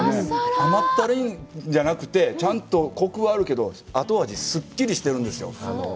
甘ったるいんじゃなくてちゃんとコクはあるけど、後味すっきりしているんですよ。